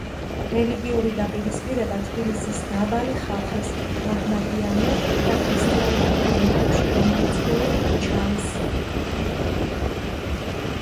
რელიგიური დაპირისპირება თბილისის „დაბალი ხალხის“ მაჰმადიანურ და ქრისტიანულ ელემენტებში გამორიცხული ჩანს.